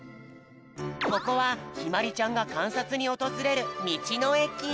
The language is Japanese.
ここはひまりちゃんがかんさつにおとずれるみちのえき。